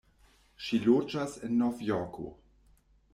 Ŝi loĝas en Novjorko.